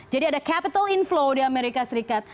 jadi ada capital inflow di amerika serikat